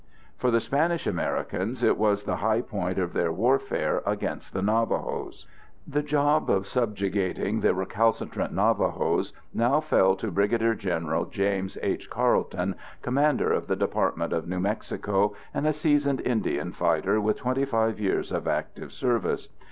For the Spanish Americans, it was the high point of their warfare against the Navajos. The job of subjugating the recalcitrant Navajos now fell to Brig. Gen. James H. Carleton, commander of the Department of New Mexico and a seasoned Indian fighter with 25 years of active service.